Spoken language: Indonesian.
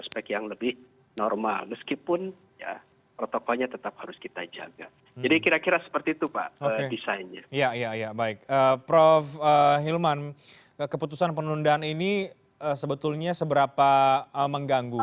prof hilman keputusan penundaan ini sebetulnya seberapa mengganggu